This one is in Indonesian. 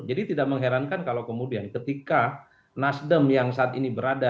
jadi tidak mengherankan kalau kemudian ketika nasdem yang saat ini berada